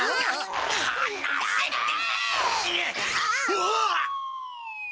うわっ！